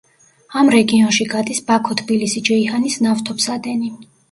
ამ რეგიონში გადის ბაქო-თბილისი-ჯეიჰანის ნავთობსადენი.